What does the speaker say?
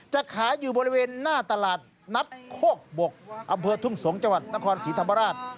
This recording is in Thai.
จะขายอยู่บริเวณหน้าตลาดนัดโคกบกอำเภอทุ่งสงศ์จังหวัดนครศรีธรรมราช